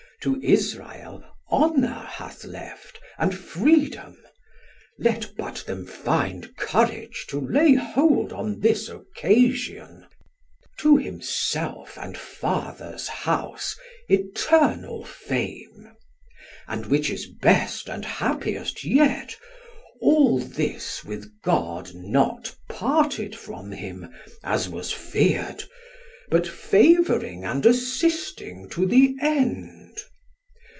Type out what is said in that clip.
To Israel Honour hath left, and freedom, let but them Find courage to lay hold on this occasion, To himself and Fathers house eternal fame; And which is best and happiest yet, all this With God not parted from him, as was feard, But favouring and assisting to the end.